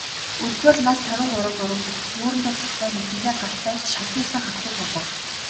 Үзвэл, нас хорин гурав дөрөв хэр, нүүрэндээ цогтой, нүдэндээ галтай, шавхийсэн хархүү байлаа.